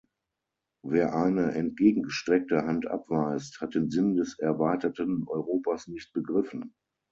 Wer eine entgegen gestreckte Hand abweist, hat den Sinn des erweiterten Europas nicht begriffen.